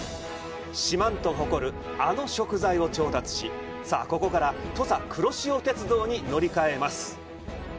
四万十が誇る、あの食材を調達し、ここから土佐くろしお鉄道に乗り換えます。